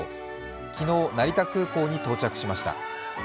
昨日、成田空港に到着しました。